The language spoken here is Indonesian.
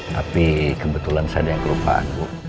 tapi kebetulan saya ada yang kelupaan bu